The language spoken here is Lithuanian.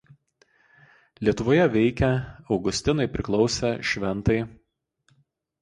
Lietuvoje veikę augustinai priklausė šv.